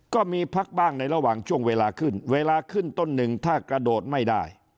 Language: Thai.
ก็มีพักบ้างในระหว่างช่วงเวลาขึ้นเวลาขึ้นต้นหนึ่งถ้ากระโดดไม่ได้